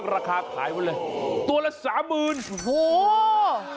ราคาขายมาเลยตัวละ๓๐๐๐๐บาท